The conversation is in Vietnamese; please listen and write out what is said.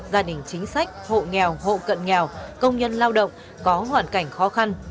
gia đình chính sách hộ nghèo hộ cận nghèo công nhân lao động có hoàn cảnh khó khăn